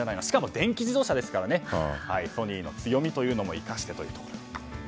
しかも電気自動車ですからソニーの強みも生かしてというところ。